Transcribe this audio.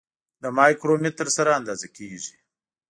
د مایکرومتر سره اندازه کیږي.